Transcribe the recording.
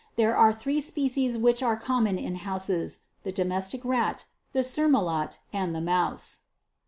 There are three species which are common in houses, the Domestic Rat, the Surmulot, and the Mouse.